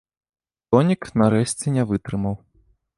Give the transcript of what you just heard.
Тонік нарэшце не вытрымаў.